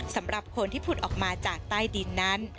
สำหรับคนที่ผุดออกมาจากใต้ดินนั้น